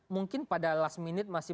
mungkin pada last minute masih